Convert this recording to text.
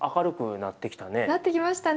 なってきましたね。